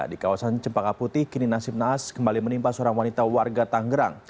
di kawasan cempaka putih kini nasib naas kembali menimpa seorang wanita warga tanggerang